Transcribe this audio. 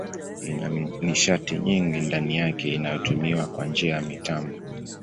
Ina nishati nyingi ndani yake inayotumiwa kwa njia ya mitambo.